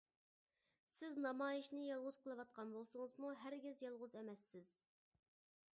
سىز نامايىشنى يالغۇز قىلىۋاتقان بولسىڭىزمۇ، ھەرگىز يالغۇز ئەمەسسىز!